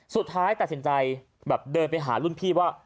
สุดท้ายตัดสินใจแบบเดินไปหารุ่นพี่ว่า